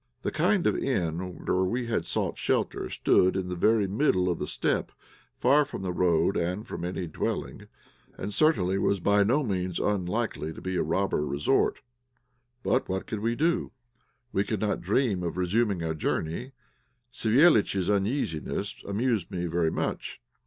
The kind of inn where we had sought shelter stood in the very middle of the steppe, far from the road and from any dwelling, and certainly was by no means unlikely to be a robber resort. But what could we do? We could not dream of resuming our journey. Savéliitch's uneasiness amused me very much.